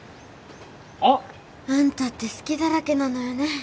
あっ！あんたって隙だらけなのよね